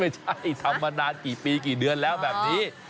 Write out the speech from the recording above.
ทำมานานกี่ปีกี่เดือนแล้วแบบนี้